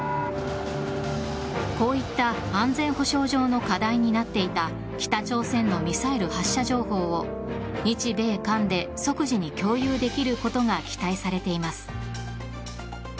こういった安全保障上の課題になっていた北朝鮮のミサイル発射情報を日米韓で即時に共有できることが期待されています。